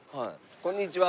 こんにちは。